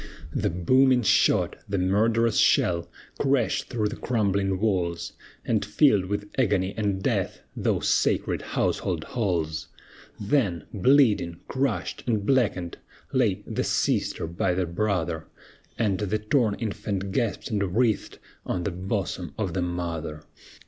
The booming shot, the murderous shell, Crashed through the crumbling walls, And filled with agony and death Those sacred household halls! Then, bleeding, crushed, and blackened, lay The sister by the brother, And the torn infant gasped and writhed On the bosom of the mother!